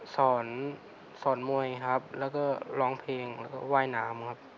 สอนสอนมวยครับแล้วก็ร้องเพลงแล้วก็ว่ายน้ำครับ